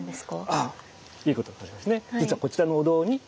あっいいこと分かりますね。